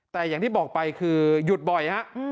แต่อย่างที่บอกไปคือหยุดบ่อยฮะ